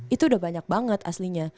itu udah banyak banget aslinya